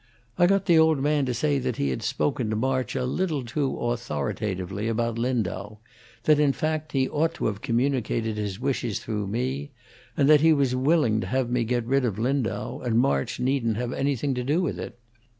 I got the old man to say that he had spoken to March a little too authoritatively about Lindau; that, in fact, he ought to have communicated his wishes through me; and that he was willing to have me get rid of Lindau, and March needn't have anything to do with it.